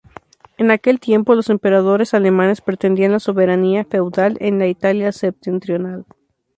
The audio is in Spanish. En aquel tiempo, los emperadores alemanes pretendían la soberanía feudal en la Italia septentrional.